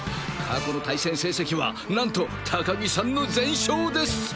過去の対戦成績はなんと高木さんの全勝です！